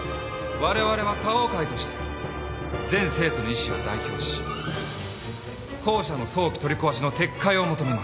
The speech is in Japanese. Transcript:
われわれは花桜会として全生徒の意思を代表し校舎の早期取り壊しの撤回を求めます。